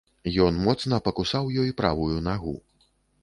Ён моцна пакусаў ёй правую нагу.